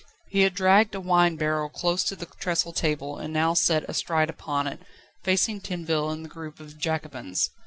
He had dragged a wine barrel close to the trestle table, and now sat astride upon it, facing Tinville and the group of Jacobins.